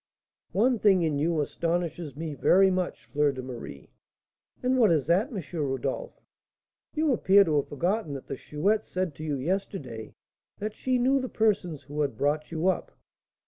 "One thing in you astonishes me very much, Fleur de Marie." "And what is that, M. Rodolph?" "You appear to have forgotten that the Chouette said to you yesterday that she knew the persons who had brought you up."